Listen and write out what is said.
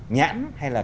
nhãn hay là